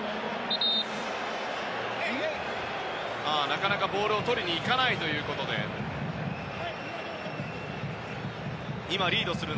なかなかボールをとりにいかないということでした。